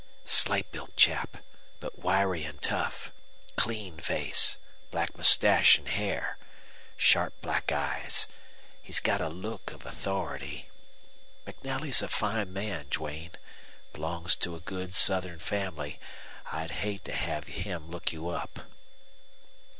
"Slight built chap, but wiry and tough. Clean face, black mustache and hair. Sharp black eyes. He's got a look of authority. MacNelly's a fine man, Duane. Belongs to a good Southern family. I'd hate to have him look you up."